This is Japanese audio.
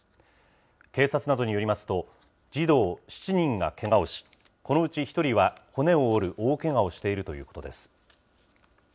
警察などによりますと、児童７人がけがをし、このうち１人は骨を折る大けがをしているということです。